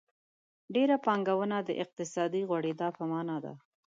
ډېره پانګونه د اقتصادي غوړېدا په مانا ده.